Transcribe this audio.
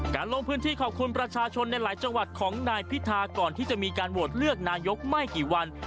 ลงพื้นที่ขอบคุณประชาชนในหลายจังหวัดของนายพิธาก่อนที่จะมีการโหวตเลือกนายกไม่กี่วัน